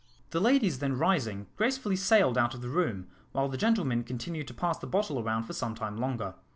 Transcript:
The ladies then rising, gracefully sailed out of the room, while the gentlemen continued to pass the battle round for some time longer.